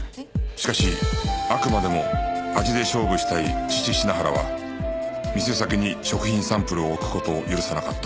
しかしあくまでも味で勝負したい父品原は店先に食品サンプルを置く事を許さなかった